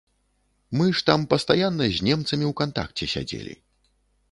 Мы ж там пастаянна з немцамі ў кантакце сядзелі.